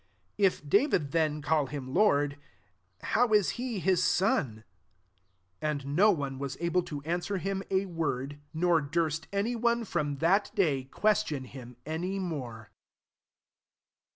45 If David then call him Lord, how is he his son ?" 46 And no one was able to answer him a word ; nor durst 60 MATTHEW XXm. ttny one from that day question I him any more.